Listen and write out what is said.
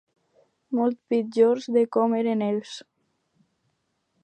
Molt pitjors de com eren ells!